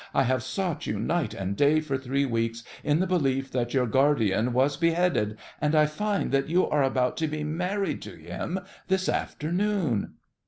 I have sought you night and day for three weeks, in the belief that your guardian was beheaded, and I find that you are about to be married to him this afternoon!